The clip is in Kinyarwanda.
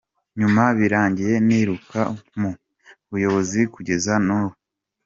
Nyuma birangiye niruka mu buyobozi kugeza n’ubu.